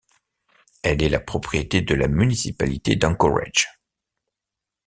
Elle est la propriété de la municipalité d'Anchorage.